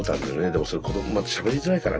でもそれ子どももまたしゃべりづらいからね